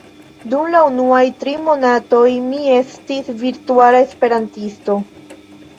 dum la unuaj tri monatoj mi estis virtuala esperantisto